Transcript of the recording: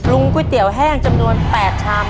ก๋วยเตี๋ยวแห้งจำนวน๘ชาม